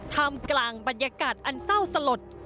ทำกลางบรรยากาศอันเศร้าสลด